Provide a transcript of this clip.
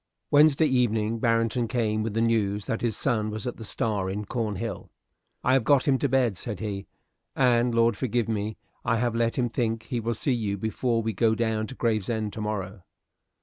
Wednesday evening Barrington came with the news that his son was at the "Star" in Cornhill. "I have got him to bed," said he, "and, Lord forgive me, I have let him think he will see you before we go down to Gravesend to morrow."